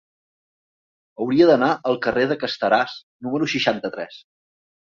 Hauria d'anar al carrer de Casteràs número seixanta-tres.